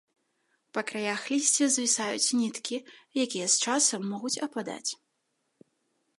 Па краях лісця звісаюць ніткі, якія з часам могуць ападаць.